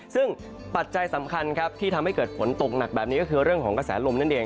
ซึ่งปัจจัยสำคัญครับที่ทำให้เกิดฝนตกหนักแบบนี้ก็คือเรื่องของกระแสลมนั่นเอง